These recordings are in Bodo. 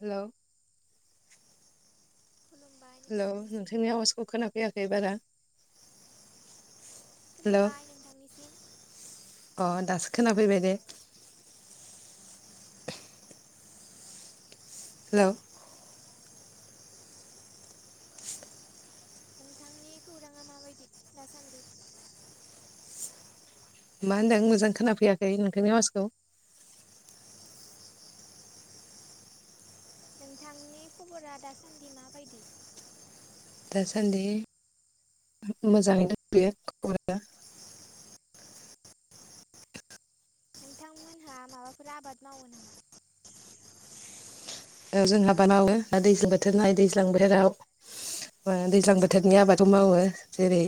हेलौ। खुलुमबाय हेलौ नोंथांनिसिम नोंथांनि आवाजखौ खोनाफैयाखै बारा। हेलौ खुलुमबाय नोंथांनिसिम। अ दासो खोनाफैबाय दे। हेलौ। नोंथांनि खौराङा माबायदि दासान्दि मा होनदों मोजां खोनाफैयाखै नोंथांनि आवाजखौ नोंथांनि खबरा दासान्दि माबायदि दासान्दि मोजाङै दंथयो खौरांङा नोंथांमोनहा माबाफोर आबाद मावो नामा ओ जोंहा आं बाद मावो ओ दैज्लां बोथोरनि आबादखौ मावो जेरै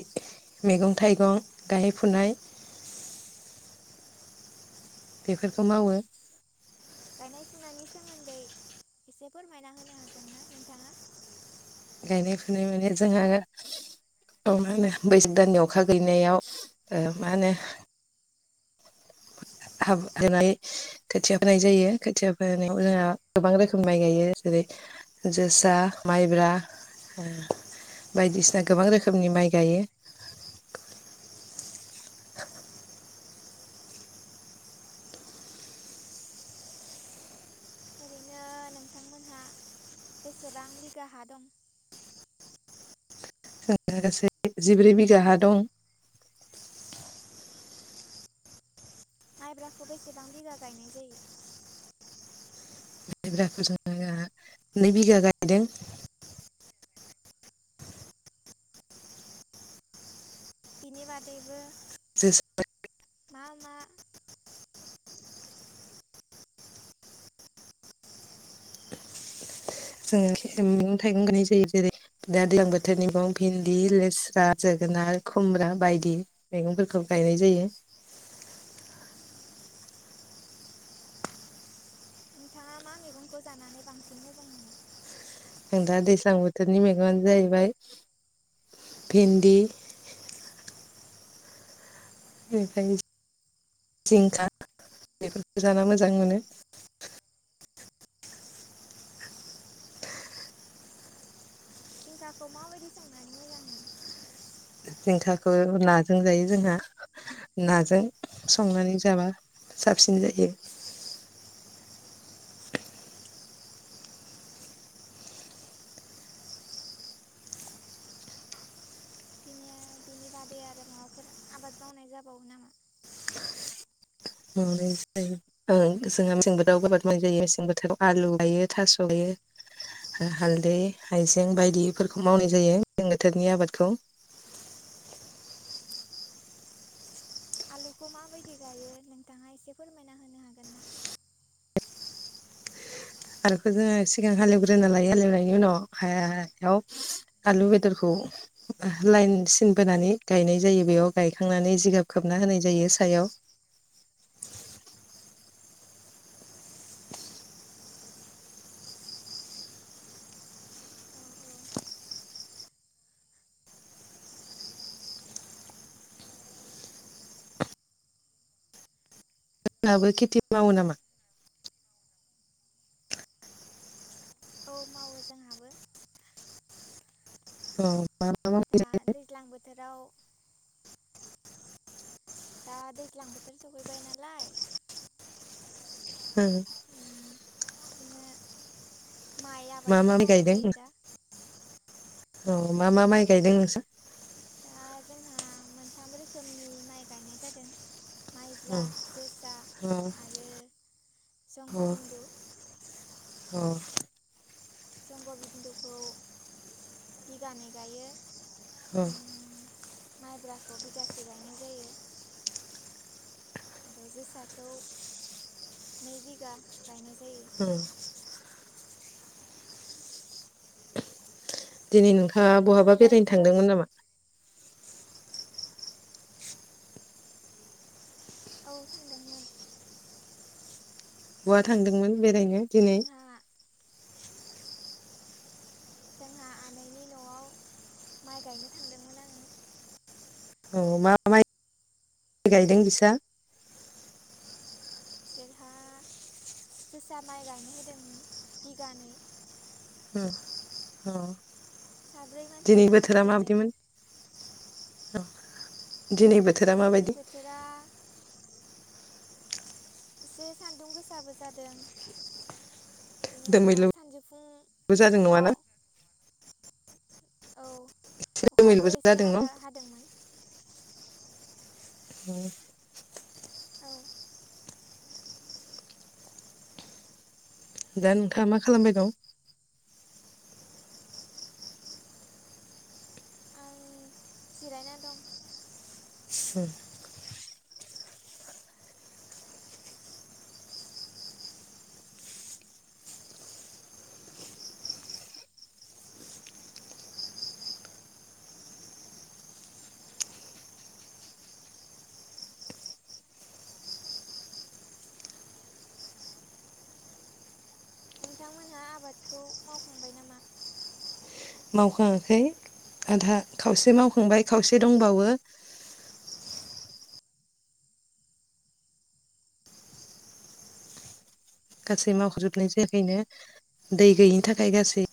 मैगं थाइगं गायनाय फुनाय बेफोरखौ मावो गायनाय फुनायनि सोमोन्दै एसे फोरमायना होनो हागोन ना नोंथाङा गायनाय फुनाय माने जोंहा मा होनो बैसाग दाननि अखा गैलैनायाव ओ मा होनो [unintelligible] खोथिया फोनाय जायो खोथिया फोनायाव जोंहा गोबां रोखोमनि माइ गायो जेरै जोसा, माइब्रा, ओ बायदिसिना गोबां रोखोमनि माइ गायो ओरैनो नोंथांमोनहा बेसेबां बिगा हा दं [unintelligible] गासै जिब्रै बिघा हा दं माइब्राखौ बेसेबां बिगा गायनाय जायो माय ब्रासखौ जोंहा नै बिगा गायदों बिनि बादैबो [unintelligible] मा मा जोङो मैगं थाइगं गायनाय जायो जेरै दा दैज्लां बोथोर मैगं भिन्दि लेस्रा जोगोनार खुमब्रा बायदि मैगंफोरखौ गायनाय जायो नोंथाङा मा मेगंखौ जानानै बांसिन मोजां मोनो ओं दा दैज्लां बोथोरनि मैगंयानो जाहैबाय भिन्दि बेनिफ्राय जिंखा बेफोरखौ जा मोजां मोनो जिंखाखौ माबायदि संनानै मोजां मोनो? जिंखाखौ नाजों जायो जोंहा नाजों संनानै जाबा साबसिन जायो। बिनिया बिनि बादै आरो माबाफोर आबाद मावनाय जाबावो नामा? मावनाय जायो जोंहा मेसें बोथोराव आबाद मावनाय जायो मेसें बोथोराव आलु लायो थास' लायो हालदै हायजें बायदिफोरखौ मावनाय जायो मेसें बोथोरनि आबादखौ। आलुखौ माबायदि गायो नोंथाङा एसे फोरमायना होनो हागोन ना? आलुखौ जोङो सिगां हालेवग्रोना लायो हालेवनायनि उनाव हायाव आलु बेदरखौ लाइन सिन बोनानै गायनाय जायो बेयाव गायखांनानै जिगाब खोबना होनाय जायो सायाव। औ औ नोंथांमोनहाबो खेथि मावो नामा? औ मावो जोंहाबो। अ। मा मा मावनाय जयो? थोराव दा दैज्लां बोथोर सफैबाय नालाय ओ ओ बिदिनो माइ आबादखौ मावनाय जायो दा औ मा मा माइ गायदों नोंसा? दा जोंहा मोनथाम रोखोमनि माइ गायनाय जादों माइब्रा अ जोसा अ आरो संग'बिन्दु उम जंग'बिन्दुखौ बिगानै गायो ओ। बेनि उनाव माइब्राखौ बिगासे गायनाय जायो आरो जोसाखौ नै बिगा गायनाय जायो अ दिनै नोंथाङा बेनि बहाबा बेरायनो अनगायैबो थांदोंमोन नामा? औ थांदोंमोन बहा थांदोंमोन बेरायनो दिनै जोंहा जोंहा आनैनि न'आव माइ गायनो थांदोंमोन आङो औ मा माइ गायदों बिसा जेरहा जोसा माइ गायनो होदोंमोन बिगानै उम अ साब्रै मानसि लानानै माबायदिमोन गायदोंमोन। [unintelligible] दिनै बोथोरा दिनैनि माबायदि? बोथोरा एसे सान्दुं गोसाबो जादों बिनि उनाव दोमैलुबो सानजौफुं जादों समाव नङाना औ दोमैलुबो अखाबो एसे जादों न हाना हादोंमोन [unintelligible] औ दा नोंथाङा मा खालामबाय दं। आं जिरायना दं। [unintelligible] नोंथांमोनहा आबादखौ मावखांबाय नामा? मावखाङाखै आदा खावसे मावखांबाय खावसे दंबावो। गासै मावख'जोबनाय जायाखैनो दै गैयिनि थाखाय गासै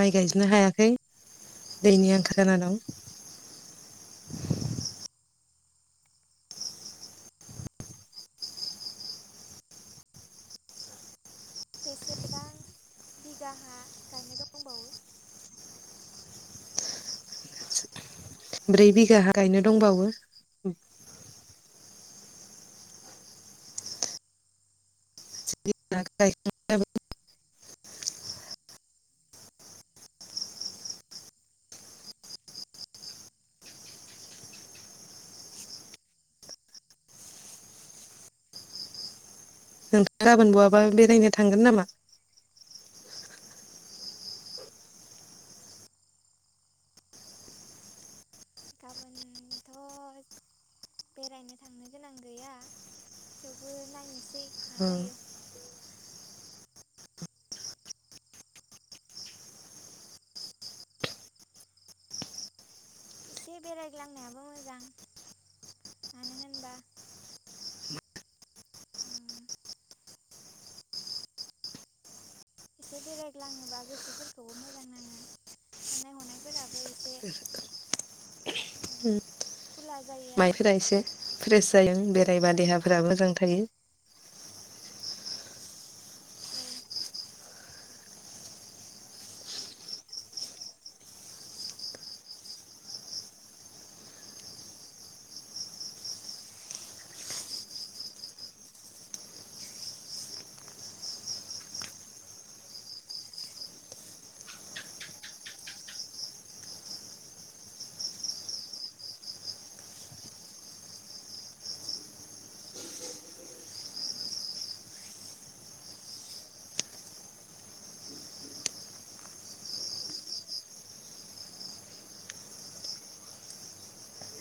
माइ गायजोबनो हायाखै दैनि आंखाल जाना दं। बेसेबां बिगा हा गायनो दंबावो। ब्रै बिगा हा गायनो दंबावो। [unintelligible] नोंथाङा गाबोन बहाबा बेरायनो थांगोन नामा? गाबोनथ' बेरायनो थांनो गोनां गैया थेवबो नायनोसै। मा जायो [unintelligible] एसे बेरायग्लांनायाबो मोजां मानो होनबा उम एसे बेरायग्लाङोबा गोसोफोरखौबो मोजां नाङो साननाय हनायफोराबो एसे खुला जायो आरो माइफोरा एसे फ्रेस जायो बेरायबा देहाफोरा मोजां थायो। औ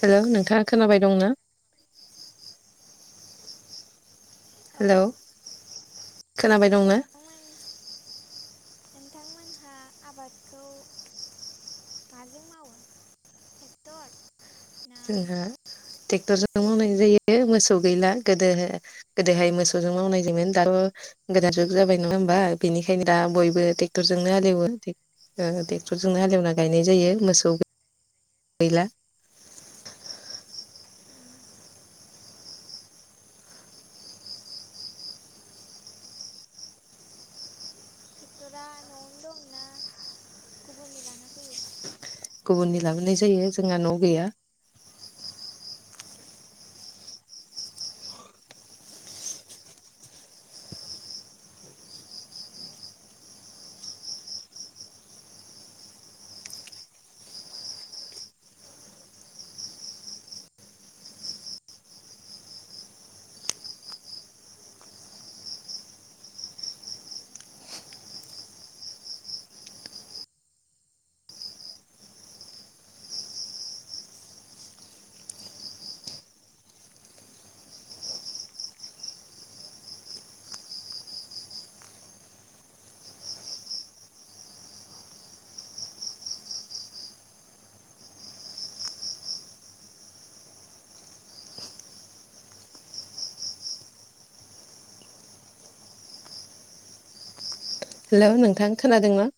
हेलौ नोंथाङा खोनाबाय दं ना औ हेलौ, खोनाबाय दंना, नोंथांमोन नोंथांमोनहा आबादखौ माजों मावो टेक्टर जोंहा ट्रेक्टरजोंनो मोसौजों मावनाय जायो मोसौ गैला। गोदो गोदोहाय मोसौजों मावनाय जोमोन दाथ' गोदान जुग जाबाय नङा होमबा बेनिखायनो दा बयबो ट्रेक्टरजोंनो हालेवो ट्रेक्टरजोंनो हालेवना गायनाय जायो मोसौ गैला। ट्रेक्टरा न'आवनो दंना गुबुननि लाना फैयो। गुबुननि लाबोनाय जायो जोंहा न' गैया। हेलौ नोंथां खोनादोंना।